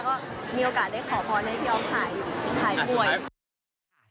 ก็มีโอกาสได้ขอพรให้พี่อ๊อฟถ่ายด้วย